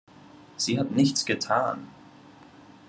Sie hat nichts getan.